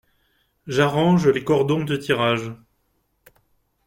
J’arrange les cordons de tirage.